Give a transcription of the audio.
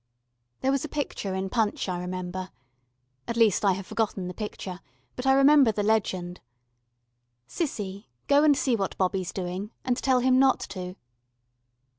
There was a picture in Punch, I remember at least I have forgotten the picture, but I remember the legend: "Cissy, go and see what Bobbie's doing, and tell him not to."